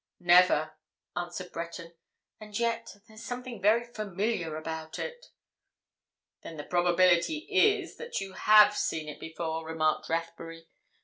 "Never," answered Breton. "And yet—there's something very familiar about it." "Then the probability is that you have seen it before," remarked Rathbury.